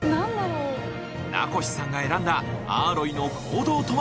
名越さんが選んだアーロイの行動とは？